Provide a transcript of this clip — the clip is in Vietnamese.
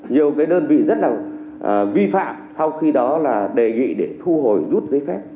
nhiều cái đơn vị rất là vi phạm sau khi đó là đề nghị để thu hồi rút giấy phép